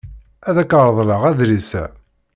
Ad ak-reḍleɣ adlis-a.